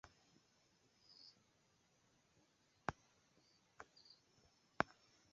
Lastatempe la kurda kaj turkmena loĝantaro revenas ĉi tien.